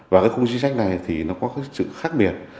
và khung chính sách này có sự khác biệt